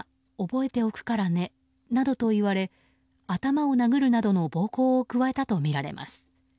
覚えておくからねなどと言われ頭を殴るなどの暴行を加えたとみられます。